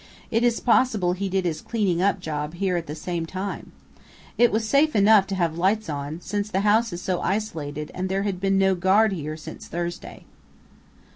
It is possible he did his cleaning up job here at the same time. It was safe enough to have lights on, since the house is so isolated and there had been no guard here since Thursday."